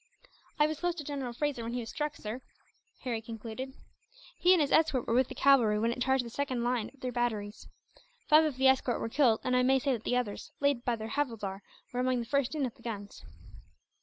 "I was close to General Fraser when he was struck, sir," Harry concluded. "He and his escort were with the cavalry, when it charged the second line of their batteries. Five of the escort were killed; and I may say that the others, led by their havildar, were among the first in at the guns."